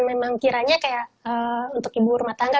memang kiranya kayak untuk ibu rumah tangga